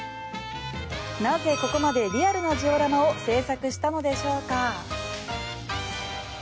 なぜここまでリアルなジオラマを制作したのでしょうか。